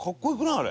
あれ。